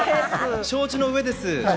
承知の上です。